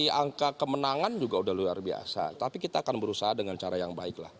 dari angka kemenangan juga udah luar biasa tapi kita akan berusaha dengan cara yang baik lah